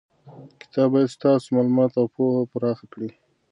کتاب باید ستاسو معلومات او پوهه پراخه کړي.